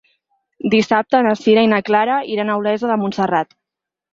Dissabte na Sira i na Clara iran a Olesa de Montserrat.